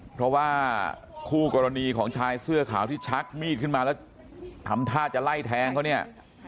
เพราะว่าคู่กรณีของชายเสื้อขาวที่ชักมีดขึ้นมาแล้วทำท่าจะไล่แทงเขาเนี่ย